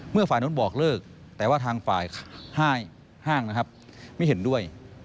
เมื่อฝ่ายโน้นบอกเลิกแต่ว่าทางฝ่ายห้างไม่เห็นด้วย